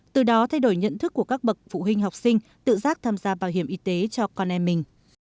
từ đó thay đổi nhận thức của các bậc phụ huynh học sinh tự giác tham gia bảo hiểm y tế cho con em mình